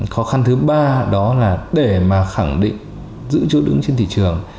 khó khăn thứ ba đó là để mà khẳng định giữ chỗ đứng trên thị trường